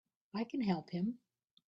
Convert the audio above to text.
I can help him!